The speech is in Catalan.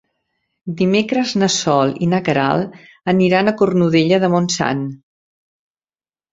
Dimecres na Sol i na Queralt aniran a Cornudella de Montsant.